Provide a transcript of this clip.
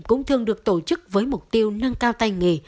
cũng thường được tổ chức với mục tiêu nâng cao tay nghề